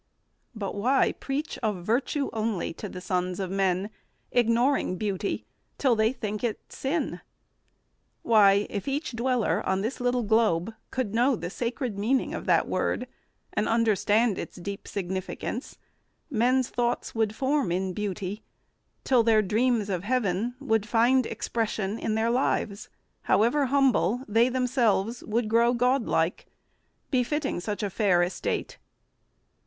But why preach Of virtue only to the sons of men, Ignoring beauty, till they think it sin? Why, if each dweller on this little globe Could know the sacred meaning of that word And understand its deep significance, Men's thoughts would form in beauty, till their dreams Of heaven would find expression in their lives, However humble; they themselves would grow Godlike, befitting such a fair estate.